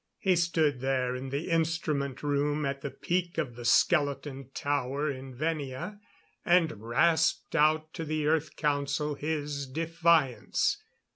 He stood there in the instrument room at the peak of the skeleton tower in Venia and rasped out to the Earth Council his defiance.